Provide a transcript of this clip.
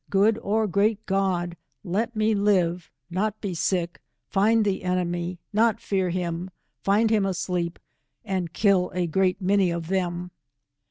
od or great God, let me live — Not be sick — Find the enemy — Not fear him — Find him asleep, and kill a^reat many of them.